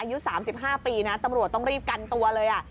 อายุ๓๕ปีนะตำรวจต้องรีบกันตัวเลย